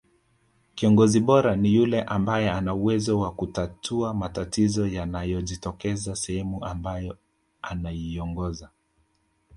kiongozi bora ni yule ambae ana uwezo wa kutatua matatizo yanayojitokeza sehemu ambayo anaiongoza